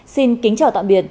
xin kính chào tạm biệt